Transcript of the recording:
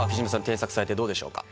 添削されてどうでしょうか？